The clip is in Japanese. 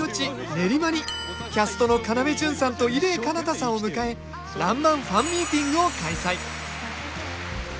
練馬にキャストの要潤さんと伊礼彼方さんを迎え「らんまん」ファンミーティングを開催